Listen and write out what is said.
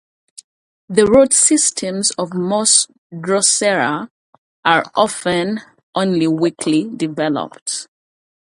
The root systems of most "Drosera" are often only weakly developed.